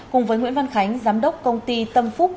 cùng với nguyễn văn khánh giám đốc công ty tâm phúc